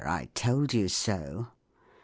I told you so !